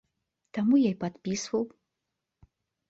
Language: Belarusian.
Таму я і падпісваў.